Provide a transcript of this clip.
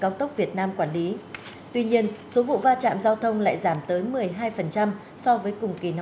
cao tốc việt nam quản lý tuy nhiên số vụ va chạm giao thông lại giảm tới một mươi hai